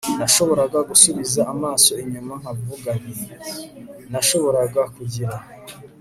nashoboraga gusubiza amaso inyuma nkavuga nti nashoboraga kugira